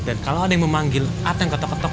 dan kalau ada yang memanggil ateng ketok ketok